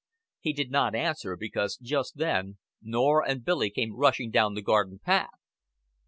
He did not answer, because just then Norah and Billy came rushing down the garden path.